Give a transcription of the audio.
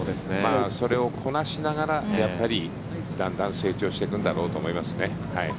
それをこなしながらだんだん成長していくんだろうと思いますね。